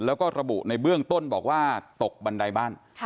แล้วก็ระบุในเบื้องต้นบอกว่าตกบันไดบ้าน